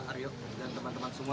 aryo dan teman teman semua